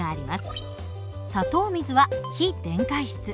砂糖水は非電解質。